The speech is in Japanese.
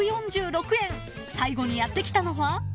［最後にやって来たのは］